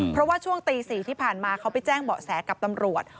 เพราะว่าช่วงตี๔ที่ผ่านมาเขาไปแจ้งเบาะแสกับตำรวจ